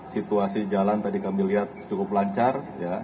situasi jalan tadi kami lihat cukup lancar